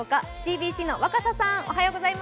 ＣＢＣの若狭さん。